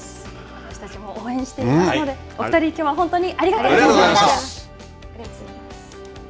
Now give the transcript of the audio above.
私たちも応援していますので、お二人、きょうは本当にありがとうございました。